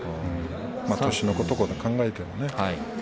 年のことを考えてもね。